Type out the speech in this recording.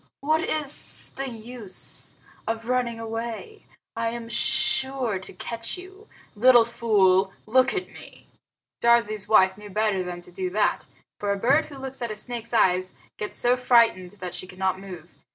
What is the use of running away? I am sure to catch you. Little fool, look at me!" Darzee's wife knew better than to do that, for a bird who looks at a snake's eyes gets so frightened that she cannot move.